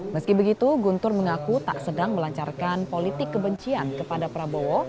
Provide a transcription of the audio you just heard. meski begitu guntur mengaku tak sedang melancarkan politik kebencian kepada prabowo